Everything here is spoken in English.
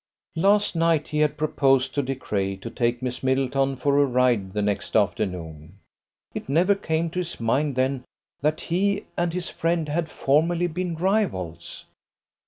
Last night he had proposed to De Craye to take Miss Middleton for a ride the next afternoon. It never came to his mind then that he and his friend had formerly been rivals.